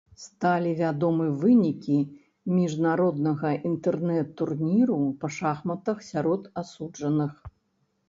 Сталі вядомыя вынікі міжнароднага інтэрнэт-турніру па шахматах сярод асуджаных.